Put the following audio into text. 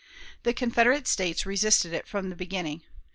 The Confederate States resisted it from the beginning.